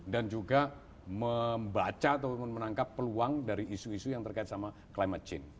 dan juga membaca atau menangkap peluang dari isu isu yang terkait sama climate change